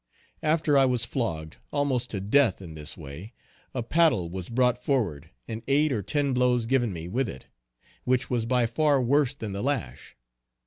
After I was flogged almost to death in this way, a paddle was brought forward and eight or ten blows given me with it, which was by far worse than the lash.